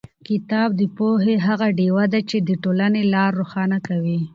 کتاب د پوهې هغه ډېوه ده چې د ټولنې لار روښانه کوي.